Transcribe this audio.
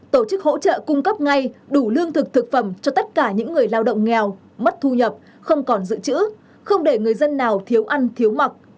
tổ chức hỗ trợ cung cấp ngay đủ lương thực thực phẩm cho tất cả những người lao động nghèo mất thu nhập không còn dự trữ không để người dân nào thiếu ăn thiếu mặc